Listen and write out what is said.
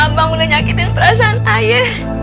abang udah nyaking perah sama raya